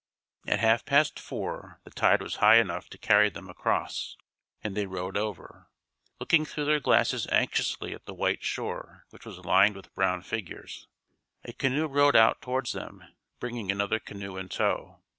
At half past four the tide was high enough to carry them across, and they rowed over, looking through their glasses anxiously at the white shore which was lined with brown figures. A canoe rowed out towards them bringing another canoe in tow.